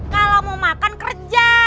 kalau mau makan kerja